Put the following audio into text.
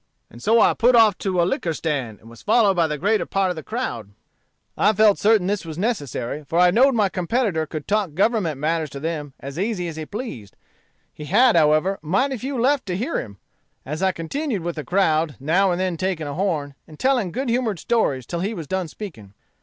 And so I put off to a liquor stand, and was followed by the greater part of the crowd. "I felt certain this was necessary, for I know'd my competitor could talk Government matters to them as easy as he pleased. He had, however, mighty few left to hear him, as I continued with the crowd, now and then taking a horn, and telling good humored stories till he was done speaking.